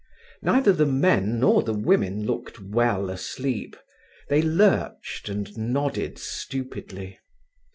Neither the men nor the women looked well asleep. They lurched and nodded stupidly.